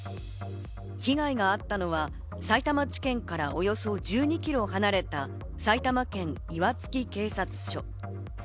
被害があったのはさいたま地検からおよそ１２ｋｍ離れた埼玉県岩槻警察署。